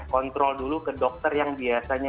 kontrol dulu ke dokter yang biasanya